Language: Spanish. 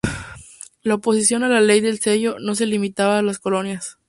La oposición a la Ley del Sello no se limitaba a las colonias.